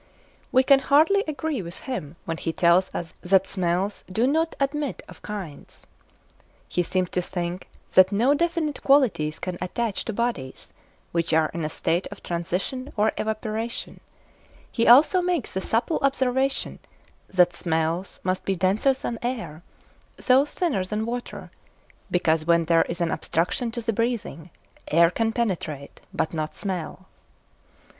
We can hardly agree with him when he tells us that smells do not admit of kinds. He seems to think that no definite qualities can attach to bodies which are in a state of transition or evaporation; he also makes the subtle observation that smells must be denser than air, though thinner than water, because when there is an obstruction to the breathing, air can penetrate, but not smell.